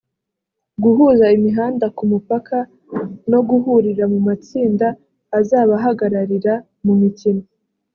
guhuza imihanda ku mupaka no guhurira mu matsinda azabahagararira mu mikino